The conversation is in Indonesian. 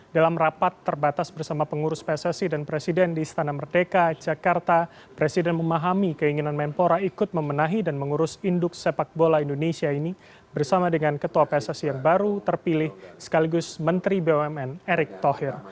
dalam rapat terbatas bersama pengurus pssi dan presiden di istana merdeka jakarta presiden memahami keinginan menpora ikut memenahi dan mengurus induk sepak bola indonesia ini bersama dengan ketua pssi yang baru terpilih sekaligus menteri bumn erick thohir